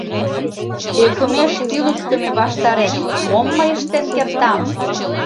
— Ӧкымеш тӱлыктымӧ ваштареш мом мый ыштен кертам!